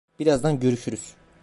Birazdan görüşürüz.